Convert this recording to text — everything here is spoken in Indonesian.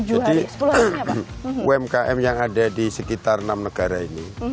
jadi umkm yang ada di sekitar enam negara ini